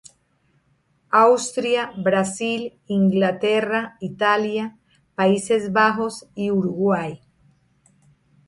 Austria, Brasil, Inglaterra, Italia, Países Bajos, y Uruguay.